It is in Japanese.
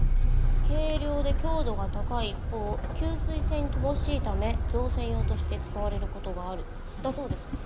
「軽量で強度が高い一方吸水性に乏しいため造船用として使われることがある」だそうです。